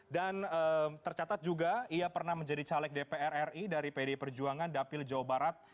dan tercatat juga ia pernah menjadi caleg dpr ri dari pdi perjuangan dapil jawa barat